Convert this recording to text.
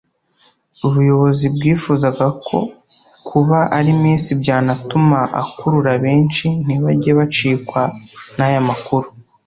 ubuyobozi bwifuzaga ko kuba ari Miss byanatuma akurura benshi ntibajye bacikwa n’aya makuru